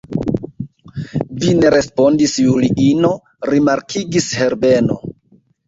Vi ne respondis, Juliino, rimarkigis Herbeno.